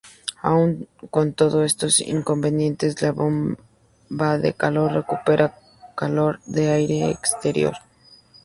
Aún con todos estos inconvenientes, la bomba de calor recupera calor del aire exterior.